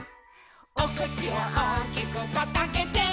「おくちをおおきくパッとあけて」